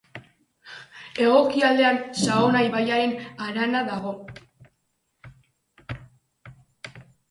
Hego-ekialdean Saona ibaiaren harana dago.